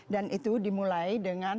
dan itu dimulai dengan